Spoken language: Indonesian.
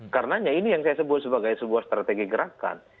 karenanya ini yang saya sebut sebagai sebuah strategi gerakan